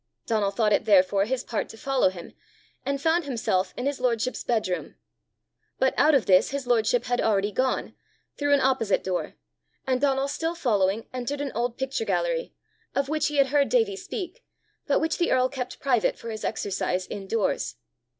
Donal thought it therefore his part to follow him, and found himself in his lordship's bedroom. But out of this his lordship had already gone, through an opposite door, and Donal still following entered an old picture gallery, of which he had heard Davie speak, but which the earl kept private for his exercise indoors.